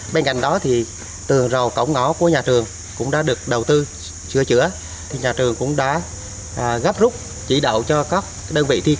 bên cạnh đó thì